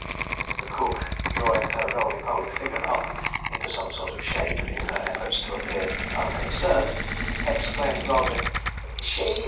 The cook, drawing her roly poly figure up into some sort of shape in her efforts to appear unconcerned, exclaimed boldly: "She?